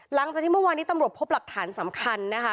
หลังจากที่เมื่อวานนี้ตำรวจพบหลักฐานสำคัญนะคะ